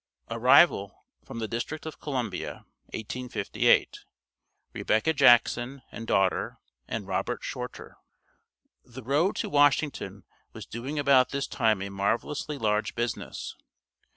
ARRIVAL FROM THE DISTRICT OF COLUMBIA, 1858. REBECCA JACKSON AND DAUGHTER, AND ROBERT SHORTER. The road to Washington was doing about this time a marvellously large business.